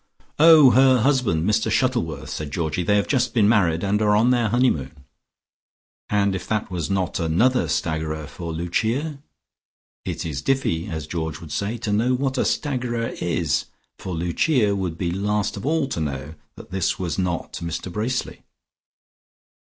"Oh, her husband, Mr Shuttleworth," said Georgie. "They have just been married, and are on their honeymoon." And if that was not another staggerer for Lucia, it is diffy, as Georgie would say, to know what a staggerer is. For Lucia would be last of all to know that this was not Mr Bracely.